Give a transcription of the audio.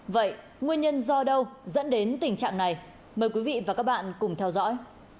vậy nguyên nhân do đâu dẫn đến tình trạng này mời quý vị và các bạn cùng theo dõi